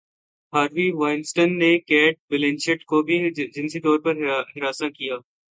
Harvey Weinstein نے Kate Blanchett کو بھی جنسی طور پر ہراساں کیا